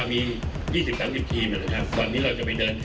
มีอะไรที่พอจะปรับแผนแล้วลงหรือสำรวจได้ถึง